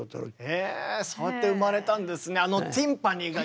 えぇそうやって生まれたんですね。